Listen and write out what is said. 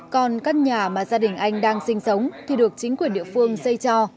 còn căn nhà mà gia đình anh đang sinh sống thì được chính quyền địa phương xây cho